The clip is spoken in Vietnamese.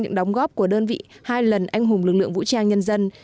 những đóng góp của đơn vị hai lần anh hùng lực lượng vũ trang nhân dân